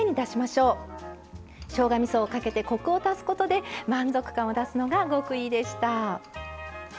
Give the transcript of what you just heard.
しょうがみそをかけてコクを足すことで満足感を出すのが極意でした。